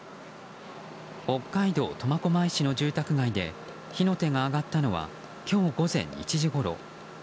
北海道苫小牧市の住宅街で火の手が上がったのは今日午前１時ごろ。